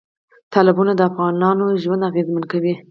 تالابونه د افغانانو ژوند اغېزمن کوي.